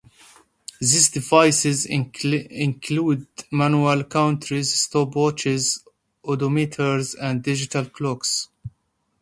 These devices include manual counters, stopwatches, odometers, and digital clocks.